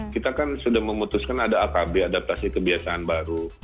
kita kan sudah memutuskan ada akb adaptasi kebiasaan baru